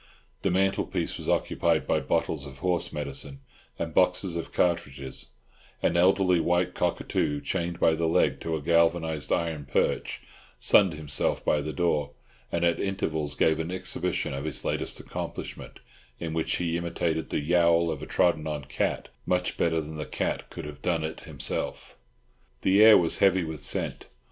The mantelpiece was occupied by bottles of horse medicine and boxes of cartridges; an elderly white cockatoo, chained by the leg to a galvanised iron perch, sunned himself by the door, and at intervals gave an exhibition of his latest accomplishment, in which he imitated the yowl of a trodden on cat much better than the cat could have done it himself. The air was heavy with scent.